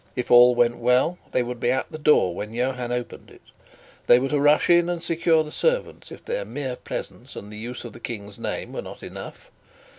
If all went well, they would be at the door when Johann opened it. They were to rush in and secure the servants if their mere presence and the use of the King's name were not enough.